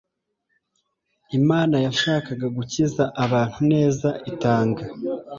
Imana yashakaga gukiza abantu neza itanga